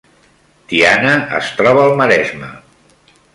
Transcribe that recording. Tiana es troba al Maresme